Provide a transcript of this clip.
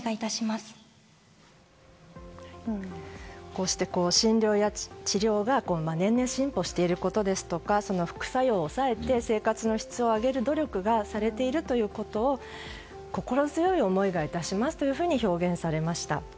こうして診療や治療が年々進歩していることですとか副作用を抑えて生活の質を上げる努力がされているということを心強い思いが致しますと表現されました。